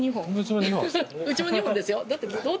うちも２本ですよ。